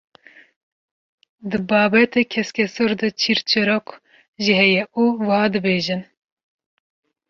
Di babetê keskesor de çîrçîrok jî heye û wiha dibêjin.